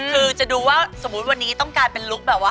คือจะดูว่าสมมุติวันนี้ต้องกลายเป็นลุคแบบว่า